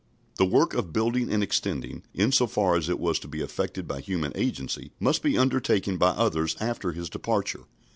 The work of building and extending, in so far as it was to be effected by human agency, must be undertaken by others after His departure.